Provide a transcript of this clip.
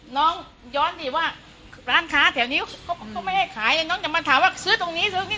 ย้อนดีว่าร้านค้าแถวนี้เขาก็ไม่ให้ขายเลยน้องจะมาถามว่าซื้อตรงนี้ซื้อนี่